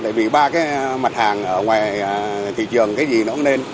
tại vì ba cái mặt hàng ở ngoài thị trường cái gì nó cũng nên